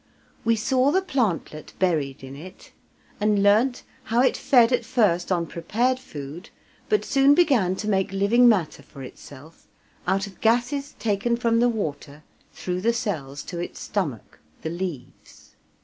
We saw the plantlet buried in it, and learnt how it fed at first on prepared food, but soon began to make living matter for itself out of gases taken from the water through the cells to its stomach the leaves!